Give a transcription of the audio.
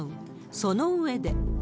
その上で。